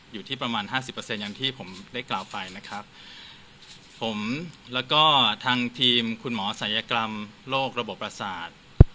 อยู่ที่ประมาณห้าสิบเปอร์เซ็นต์อย่างที่ผมได้กล่าวไปนะครับผมแล้วก็ทางทีมคุณหมอศัลยกรรมโรคระบบประสาท